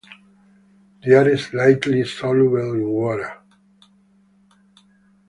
They are slightly soluble in water.